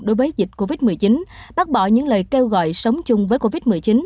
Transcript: đối với dịch covid một mươi chín bác bỏ những lời kêu gọi sống chung với covid một mươi chín